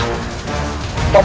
membuatku terlalu sedih